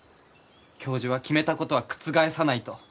教授は決めたことは覆さないと。